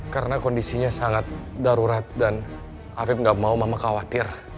karena kondisinya sangat darurat dan afif gak mau mama khawatir